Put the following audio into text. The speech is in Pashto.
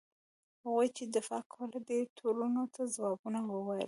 هغوی چې دفاع کوله دې تورونو ته ځوابونه وویل.